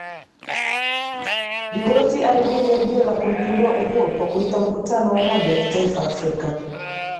Biwott alirudia jaribio la kumpindua Uhuru kwa kuita mkutano wa umoja wa kitaifa Afrika